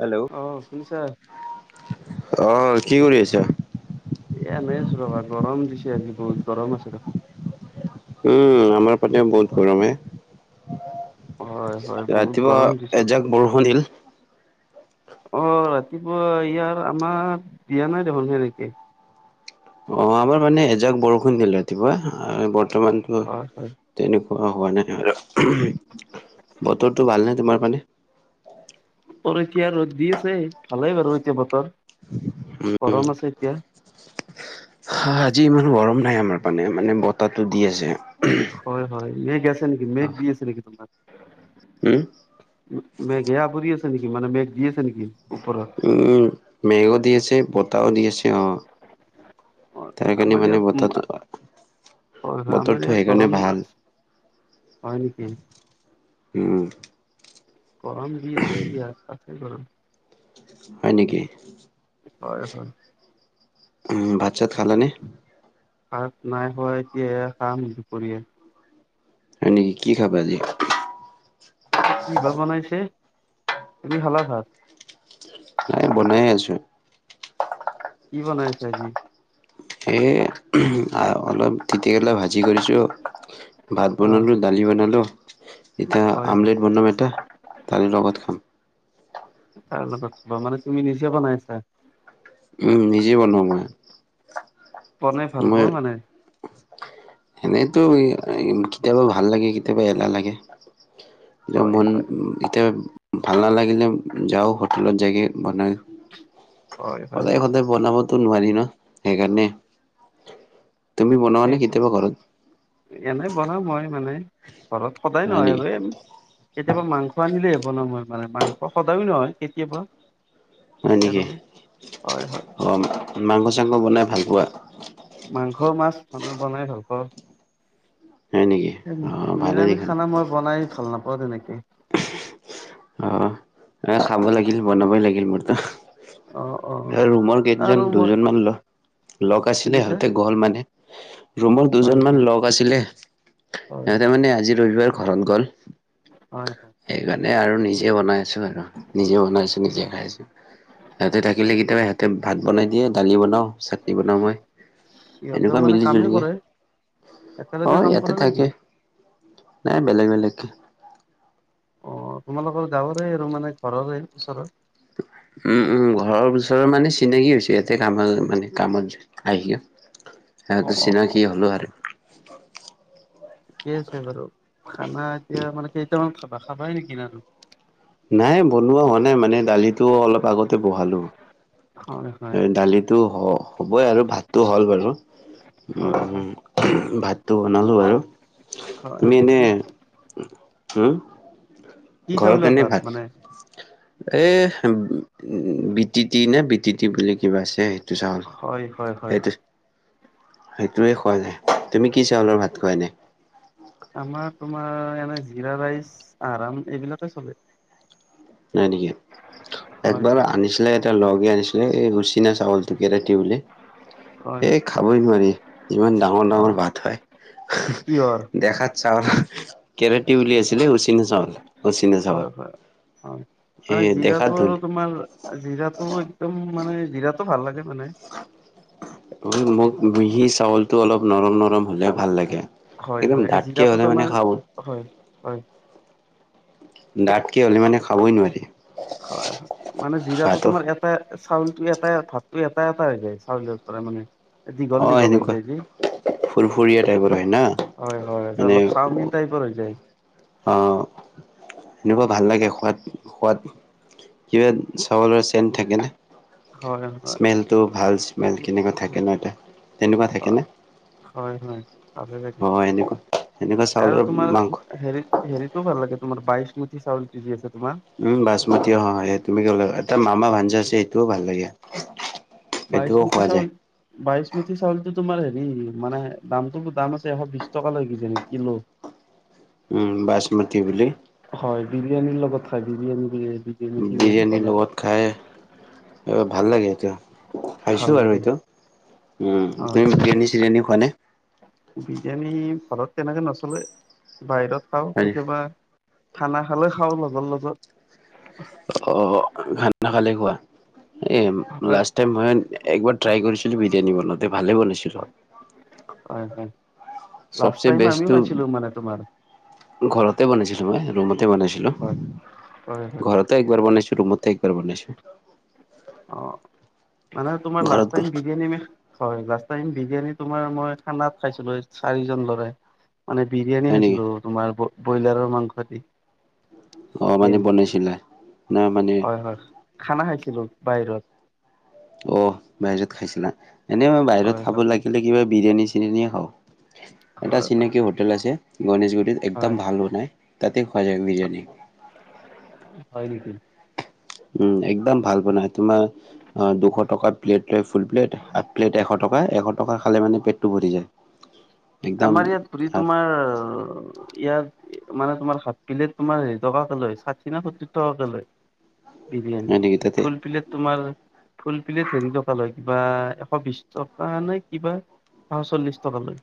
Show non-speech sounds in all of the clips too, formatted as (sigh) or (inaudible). Hello, অ শুনিছা ' অহ কি কৰি আছা? এইয়া আছিলোঁ ৰবা গৰম দিছে, আজি বহুত গৰম আছে ৰ। উম আমাৰ ফালে বহুত গৰমে। হয় হয় বহুত ৰাতিপুৱা গৰম দিছে এজাক বৰষুণ দিল। অ ৰাতিপুৱা ইয়াৰ আমাৰ দিয়া নাই দেখোন এনেকে। অ আমাৰ মানে এজাক বৰষুণ দিলে ৰাতিপুৱা, বৰ্তমানতো হয় হয় তেনেকুৱ- হোৱা নাই। বতৰটো ভালনে তোমাৰ ফালে? তোৰ এতিয়া ৰ'দ দি আছে, ভালেই বাৰু এতিয়া বতৰ গৰম আছে এতিয়া। হ আজি ইমান গৰম নাই আমাৰ মানে মানে ব (unintelligible) হয় হয় মেঘ আছে, নেকি মেঘ দি আছে নেকি তোমাক? হম? মেঘ হেয়া পৰি আছে নেকি, মানে মেঘ দি আছে নেকি? ওপৰত উম মেঘো দি আছে, বতাও দি আছে অ। অ তাৰ কাৰণে আমাৰ মানে ইয়াত উম বতৰটো হয় হয় আমাৰ বতৰটো সেইকাৰণে ভাল। পান প উম, কম দছে (unintelligible) সেই কৰ (unintelligible) হয় নেকি? হয় হয়। উম ভাত চাত খালা নে? (unintelligible) হয় নেকি কি খাবা আজি? ই কি ভাত বনাইছে। তুমি খালা ভাত? নাই, বনাই আছো। কি বনাইছে আজি? (unintelligible) ভাজি কৰিছো। ভাত অ বনালোঁ, দালি বনালোঁ। ইতিয়া হয় হয় আমলেট বনাম এটা, তে লগত খাম। তাৰ লগত বা মানে তুমি নিজে বনাইছা? নিজেই বনোৱা মই পণাই ভাল মই পোৱা মানে এনেইতো কেতিয়াবা ভাল লাগে কেতিয়াবা এলাহ লাগে এতি হয় মন হয় ইতিয়া ভাল নালাগিলে যাওঁ হোটেলত য ইগে বনাই হয় হয় সদায় সদায় বনাবতো নোৱাৰি ন সেইকাৰণে তুমি বনোৱা নে এইটো কেতিয়াবা ঘৰত? এনেই বনাওঁ মই মানে ঘৰত সদায় হয় নহয় নেকি? আৰু এই কেতিয়াবা মাংস আনিলেই হব ন মই মানে মাংস সদায়ো নহয় কেতিয়াবা হয় ইচ্ছা নেকি গলে হয় হয় অঁ মাংস চাংস বনাই ভাল পোৱা মাংস মাছ বনাই ভাল পাওঁ হয় নেকি? অ' ভালে নিৰামিষ দেখোন। খানা মই বনাই ভাল নাপাওঁ তেনেকে অ এ খাব লাগিল বনাবই লাগিল মোৰত অ অ আৰু ৰুমৰ আৰু কেইজন মই দুজন মান লগ লগ কি আছিলে কৈছা সিহঁতে গ'ল মানে ৰুমৰ হয় নেকি দুজনমান লগ আছিলে হয় সিহঁতে হয় মানে আজি ৰবিবাৰ ঘৰত গ'ল হয় হয় সেইকাৰণে আৰু নিজে বনাই আছো আৰু নিজে বনাইছো নিজে খাইছো সিহঁতে থাকিলে কেতিয়াবা সিহঁতে ভাত বনাই দিয়ে দালি বনাও চাটনি বনাওঁ মই সিহঁতেও সেনেকুৱা মানে মিলি কামেই জুলিকে কৰে অ একেলগে কাম কৰা ইয়াতে নেকি? থাকে নাই বেলেগ বেলেগে অ তোমালোকৰ গাঁৱৰে আৰু মানে ঘৰৰে ওচৰৰ উম উম ঘৰৰ ওচৰৰ মানে চিনাকি হৈ হৈছে ইয়াতে কাম মানে কামত আহ ক সেই চিনাকি হলো আৰু ঠিকে আছে বাৰু খানা এতিয়া মানে কেইটামান খাবা খাবাই নেকি ন আৰু নাই বনোৱা হোৱা নাই মানে দালিটো অলপ আগতে বহালো হয় হয় দালিটো হ হ'বই আৰু ভাতটো হ'ল বাৰু হয় হয় উ ভাতটো বনালো আৰু হয়। মাননে কি হ কি ঘৰত চাউলৰ এনেই ভাত মানে? এ বিটি তি নে টিটি বুলি কিবা আছে চাউল হয় হয় হয় সেইটো সেইটোৱে খোৱা যায় তুমি কি চাউলৰ ভাত খোৱা এনে আমাৰ তোমাৰ এনে জিৰা ৰাইচ আৰাম এইবিলাকে চলে হয় নেকি হয় একবাৰ হয় আনিছিলে এটা লগে আনিছিলে এই গুচিনা চাউলটো কেনে টাবলে হয় এ খাবই নোৱাৰি ইমান ডাঙৰ ডাঙৰ ভাত হয় কিহৰ? দেখাত চাউল কেৰাটি উল আছিলে উচিনা চাউল উচিনা হয় চাউল হয় হয়। এ মানে দেখাত জিৰাটো ধুন আৰু তোমাৰ জিৰাটো একদম মানে জিৰাতো ভাল লাগে মানে মোক মিহি চাউলটো অলপ নৰম নৰম হলে ভাল লাগে হয় একদম হয় এই ডাঠকে জেগটো হ'লে মানে তোমাৰ খাব হয় হয় ডাথকে হ'লে মানে খাবই নোৱাৰি হয় হয় মানে জিৰাটো ভাতো তোমাৰ এটা চাউলটো এটাই ভাতটো এটা এটা হৈ যায় চাউলৰ পৰা মানে অ দীঘল দীঘল হৈ এনেকুৱা যায় যে ফুৰফুৰীয়া টাইপৰ হয় না হয় হয় মানে অলপ চাওমিন টাইপৰ হৈ যায় অ এনেকোৱা ভাল লাগে সোৱাদ সোৱাদ কিবা চাউলৰ চেণ্ট থাকে ন হয় হয় স্মেলটো ভাল স্মেল কেনেকৈ থাকে ন এটা তেনেকুৱা থাকে হয় নে হয় হয় ভালে লাগে অ এনেকুৱা এনেকুৱা আৰু চাউলৰ তোমাৰ মাংস হেৰিত হেৰিতো ভাল লাগে তোমাৰ বাইশ মতি চাউল যি যি আছে। তোমাৰ উম বাচমতি অ তুমি কলা এটা মামা ভঞ্জা আছে সেইটোও ভাল। লাগে বাইশ সেইটোও মিতি খোৱা চাউল যায়। বাইশ মতি চাউলটো তোমাৰ হে মানে দামটো দাম আছে এশ বিশ টকা লৈ কিজানি কিলো। উম বাসমতি বুলি। হয় বিৰিয়ানীৰ লগত খাই বিৰিয়ানী। বিৰিয়ানী চিৰিয়ানী ভাল বিৰিয়ানীৰ লগত খাই ভাল লাগে এতিয়া। খাইছো আৰু লাগে এইটো উ হয় তুমি বিৰিয়ানী চিৰিয়ানী খোৱা নে। বিৰিয়ানী ঘৰত তেনেকে নচলে বাহিৰত খাওঁ কেতিয়াবা। খানা খালে খাওঁ লগৰ লগত। অহ ভাত নাখালে খোৱা। এ হয় লাষ্ট টাইম মই একবাৰ ট্ৰাই কৰিছিলো বিৰিয়ানী বনাওতে ভালে বনাইছিলো। হয় হয়। লাষ্ট চবচে টাইম আমিও বেষ্টটো খাইছিলো মানে তোমাৰ ঘৰতে বনাইছিলো মই ৰুমতে বনাইছিলো। হয় হয় হয় ঘৰতে একবাৰ বনাইছো ৰুমতে একবাৰ বনাইছো। অ মানে তোমাৰ লাষ্ট ঘৰত টাইম বিৰিয়ানী এনে হয় লাষ্ট ম বিৰিয়ানী তোমাৰ মই খানাত খাইছিলো এই চাৰিজন লৰাই। মানে বিৰিয়ানী হয় নেকি খাইছিলো তোমাৰ ব্ৰইলাৰৰ মাংস দি। অ মানে চিকেন বনাইছিলে না মানে। হয় হয় খানা খাইছিলো বাহিৰত। অ বাহিৰত খাইছিলা এনে মই হয় বাহিৰত খাব হয় লাগিলে কিবা বিৰিয়ানী চিৰিয়ানিয়ে খাওঁ। এটা হয় হয় চিনাকি হোটেল আছে গণেশগুৰিত হয় একদম ভাল বনাই। তাতে খোৱা যায় বিৰিয়ানী। হয় নেকি উম একদম ভাল বনাই তোমাৰ অ দুশ টকা প্লেট লয় ফুল প্লেট হাফ প্লেট এশ টকা। লয় এশ টকাৰ খালে মানে পেটটো ভৰি যায়। একদম আমাৰ ইয়াত ঘূৰি আৰু তোমাৰ ইয়াত। মানে তোমাৰ হাত পেলেট এটকা লয় তোমাৰ হেৰি টকাকে লয় ষাঠি না সত্তৰ টকাকে লয়। বিৰিয়ানী হয় নেকি তাতে ফুল পিলট তোমাৰ ফুলপিলেট হেৰি টকা লয় কিবা এশ বিশ টকা নে কিবা। আচল্লিশ টকা লয়।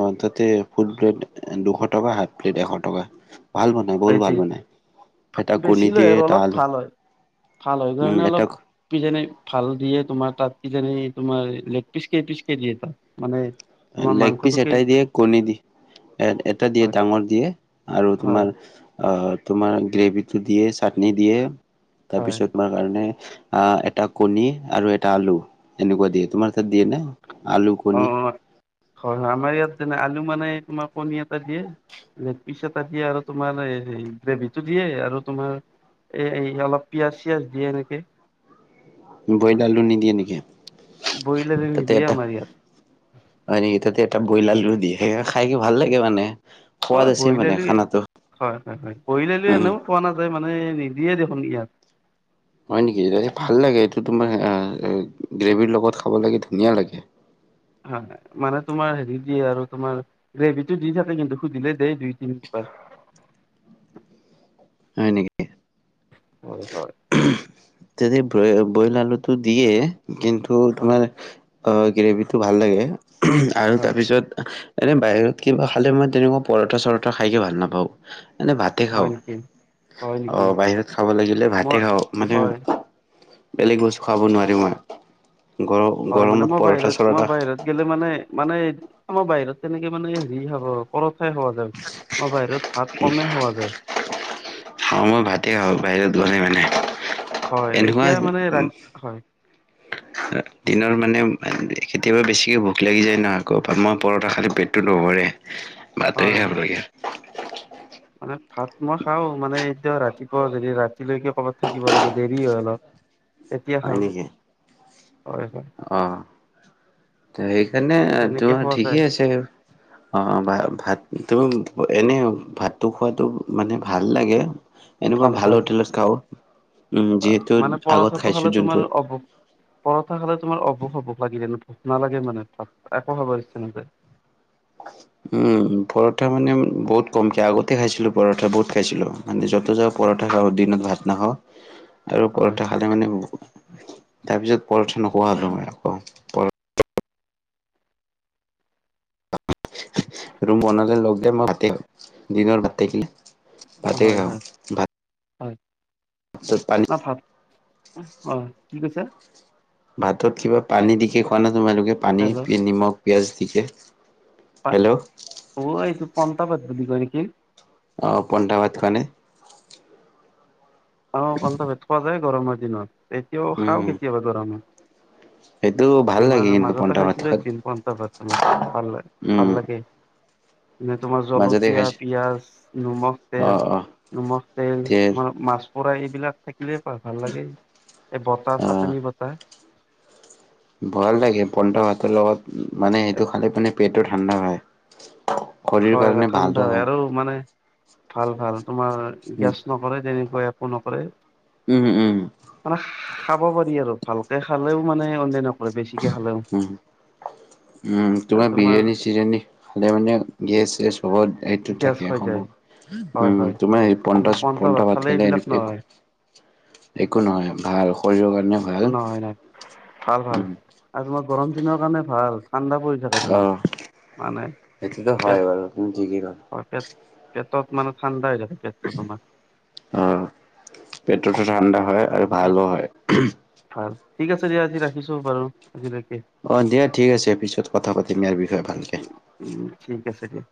অঁ তাতে, ফুল প্লেট দুশ টকা, হাফ প্লেট এশ টকা। ভাল বনাই বহুত ভাল বনাই। এটা বেছি কণী লৈ দিয়ে আৰু এটা অলপ আলু ভাল হয় ভাল হয় উম কাৰণে এটা অলপ পিজনে। ভাল দিয়ে তোমাৰ তাত কিজানি তোমাৰ লেগ পিচ কে পিচ কে দিয়ে তাত মানে। তোমাৰ লেগ পিচ মাংসটো কেই এটাই দিয়ে কণী দিয়ে। এ এটা দিয়ে হয় ডাঙৰ দিয়ে আৰু হয় তোমাৰ। তোমাৰ গ্ৰেভিটো দিয়ে চাটনি দিয়ে হয় তাৰপিছত তোমাৰ কাৰণে। আহ এটা কণী আৰু এটা আলু এনেকুৱা দিয়ে তোমাৰ তাত দিয়ে নে। আলু কণী। অ হয়, হয় আমাৰ ইয়াত যেনে আলু মানে তোমাৰ কণী এটা দিয়ে পিচ এটা দিয়ে আৰু তোমাৰ। গ্ৰেভিটো দিয়ে আৰু তোমাৰ। এ অলপ পিয়াঁজ চিয়িয়াজ দিয়ে এনেকে। বৈ আলু নিদিয়ে নেকি। বইল আলু নিদিয়ে তাতেএটা আমাৰ ইয়াত আঁ তাতে এটা। বইল আলু দিয়ে সেই খাই কে ভাল লাগে মানে। সোৱাদ অঁ আছে বয়ল মানে আলু খানাটো হয়, হয়, হয় বয় এল আলু উম এনেওঁ পোৱা নাযায় ম। মানে নিদিয়ে দেখোন ইয়াত। হয় নেকি! ভাল লাগে এইটো তোমাৰ গ্ৰেভীৰ লগত খাব লাগে ধুনীয়া লাগে। হয়, হয় মানে তোমাৰ হেৰি দিয়ে আৰু তোমাৰ গ্ৰেভিটো দি থাকে কিন্তু সুধিলে দেই দুই তিনিবাৰ। (inaudible) হয় নেকি। হয়-হয়। যদি ব-বইল আলুটো দিয়ে কিন্তু হয় তোমাৰ আহ গ্ৰেভিটো ভাল লাগে। আৰু হয় তাৰপিছত এনেই বাহিৰত কিবা খালে মই তেনেকুৱা পৰঠা-চৰঠা খাইকে ভাল নাপাওঁ। এনে ভাতে হয় খাওঁ। নেকি হয় নেকি অঁ বাহিৰত খাব লাগিলে ভাত তে খাওঁ মই মানে হয় বেলেগ বস্তু খাব নোৱাৰো মই। গৰ হয় মানে গৰমত মই পৰঠা বাহিৰত, মই চৰঠা বাহিৰত গলে মানে-মানে আমাৰ বাহিৰত তেনেকে মানে হেৰি খাব প খোৱা যায়। মই বাহিৰত ভাত কমেই হোৱা যায়। খাওঁ মই ভাতে খাওঁ বাহিৰত মানে হয় এনেকুৱা এতিয়া যে মানে ৰাতি হয় দিনৰ মানে কেতিয়াবা, বেছিকৈ ভোক লাগি যায় ন আকৌ মই পৰঠা খালে পেটটো নভৰে। ভাতেই হয় খাব লাগে। মানে ভাত মই খাওঁ, মানে এতিয়া ৰাতিপুৱা যদি ৰাতিলৈকে কৰ'বাত থাকিব লাগে দেৰি হয় অলপ তেতিয়া খাওঁ। হয় হয় আহঁ! সেইকাৰণে এই তেনেকে তোমাৰ খোৱা যায় ঠিকেই আছে অঁ ভা-ভাতটো এনেই ভাতটো খোৱাটো মানে ভাল লাগে, এনেকুৱা ভাল হোটেলত খাওঁ। উম, হয় যিহেতু মানে আগত পৰঠাটো খাইছোঁ খালে যোনটো তোমাৰ অভুক, পৰঠা খালে তোমাৰ তোমাৰ অবুক, অবুক লাগে, ভোক নালাগে মানে একো খাব ইচ্ছা নাযায়। উম পৰঠা মানে বহুত কমকে, আগতে খাইছিলো পৰঠা বহুত খাইছিলো। মানে যতে যাওঁ পৰঠা খাওঁ, দিনত ভাত নাখাওঁ। আৰু হয় পৰঠা খালে মানে তাৰপিছত পৰঠা নোখোৱা হলো মই আকৌ পৰ ৰুম বনালে লগ দে মই মাতিম। দিনৰ ভাত থাকিলে ভাতেই হয় খাওঁ, হয় ভাত হয়। চত পানী অঁ কি কৈছা? ভাতত কিবা পানী দিকে খোৱা ন তোমালোকে, পানী, নিমখ, পিয়াঁজ দিকে? হয়। হেল্ল' অ এইটো পন্তা ভাত বুলি কয় নেকি? অ পন্টা ভাত খোৱা নে? অ পণ্টা ভাত খোৱা যায় গৰমৰ দিনত, এতিয়াও খাওঁ উম কেতিয়াবা গৰমত। সেইটো ভাল লাগে তোমাৰ কিন্তু মাজতে পন্টা ভাত খাইছিলো খাত এদিন পণ্টা ভাত তোমাৰ উম ভাল-ভাল লাগে। নে তোমাৰ মাজতে জলকীয়া, খাইছো পিয়াঁজ, নিমখ, অ তেল অ নিমখ, তেল, তোমাৰ মাছ পুৰা এইবিলাক থাকিলে ভাল লাগে, এই বতা অ চাটনি বতা। ভাল লাগে পণ্টা ভাতৰ লগত মানে সেইটো খালে মানে পেটো ঠাণ্ডা হয়। শৰীৰ কাৰণে হয়-হয় ঠাণ্ডা ভালো হয়, আৰু মানে ভাল-ভাল তোমাৰ গেছ নকৰে, তেনেকুৱা একো নকৰে। উম-উম-উম মানে খাব পাৰি আৰু ভালকে খালেও মানে অনন্যাই নকৰে বেছি উম, উম তোমাৰ বিৰিয়ানী-চিৰিয়ানী ভালে মানে গেছ-চেছ চবত এইটোত গেছ থাকে হৈ যায় সম্ভৱ। হয় উম হয় তোমাৰ এই কিন্তু পন্থা পণ্টাচপণ্টা ভাত খালে এইবিলাক একো নহয় একো নহয় ভাল শৰীৰৰ কাৰণে। ভাল নহয় নাই, ভাল-ভাল উম আৰু তোমাৰ গৰম দিনৰ কাৰণে ভাল। ঠাণ্ডা পৰি থাকে তোমাৰ, অ', মানে সেইটোতো হয় পেট বাৰু তুমি ঠিকেই ক'লা। হয়, পেট-পেট পেটত মানে ঠাণ্ডা হৈ থাকে। পেটটো তোমাৰ অ, পেটতো ঠাণ্ডা হয় আৰু এই ভালো হয়। ভাল ঠিক আছে দিয়া আজি ৰাখিছো বাৰু আজিলৈকে অ দিয়া ঠিক আছে পিছত কথা পাতিম ইয়াৰ বিষয়ে ভালকে উম ঠিক আছে দিয়া।